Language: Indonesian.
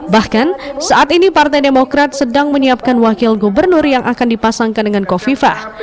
bahkan saat ini partai demokrat sedang menyiapkan wakil gubernur yang akan dipasangkan dengan kofifah